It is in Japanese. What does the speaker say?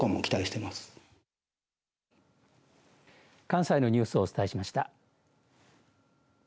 関西のニュースお伝えしました。